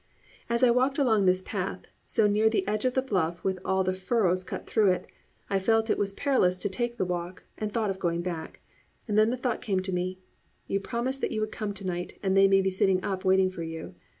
As I walked along this path, so near the edge of the bluff with all the furrows cut through it, I felt it was perilous to take the walk and thought of going back; and then the thought came to me, "You promised that you would come to night and they may be sitting up waiting for you."